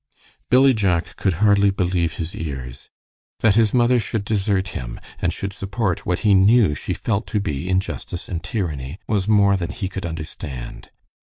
Billy Jack could hardly believe his ears. That his mother should desert him, and should support what he knew she felt to be injustice and tyranny, was more than he could understand.